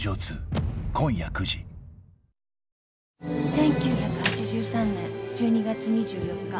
１９８３年１２月２４日。